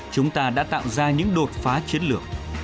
chúng ta đã tạo ra những đột phá chiến lược